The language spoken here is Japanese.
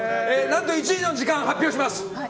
何と１位の時間を発表します。